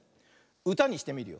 うたにしてみるよ。